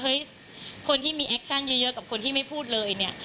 คนที่มีแอคชั่นเยอะกับคนที่ไม่พูดเลยเนี่ย